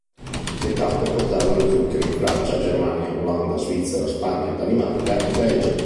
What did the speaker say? Le tappe portarono Zucchero in Francia, Germania, Olanda, Svizzera, Spagna, Danimarca e Belgio.